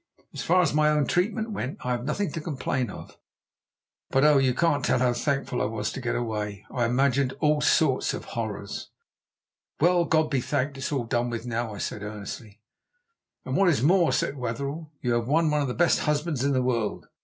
As far as my own treatment went, I have nothing to complain of. But oh, you can't tell how thankful I was to get away; I imagined all sorts of horrors." "Well, God be thanked, it's all done with now," I said earnestly. "And what is more," said Wetherell, "you have won one of the best husbands in the world. Mr.